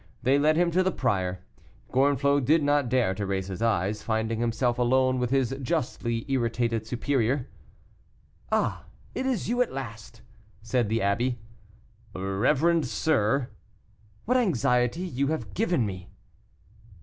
They led him to the prior. Gorenflot did not dare to raise his eyes, finding himself alone with his justly irritated superior. "Ah! it is you at last," said the abbé. "Reverend sir " "What anxiety you have given me."